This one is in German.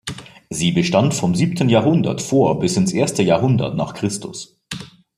Sie bestand vom siebten Jahrhundert vor bis ins erste Jahrhundert nach Christus.